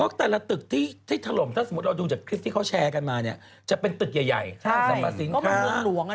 แล้วแต่ละตึกที่ถล่มถ้าสมมุติเราดูจากคลิปที่เขาแชร์กันมาเนี่ยจะเป็นตึกใหญ่ห้างสรรพสินค้าเมืองหลวง